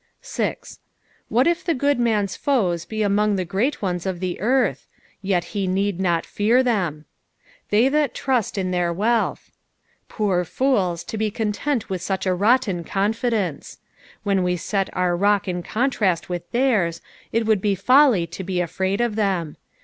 6. What if the good man's foes be among Ihe great ones of the earth ! yet he need not fear them. " TTuy that tnut in their toaairt." Poor fools, to be con tent with such a rotten confidence. When we st?t our rock in contrast with theirs, it wonld be folly to be afraid of them.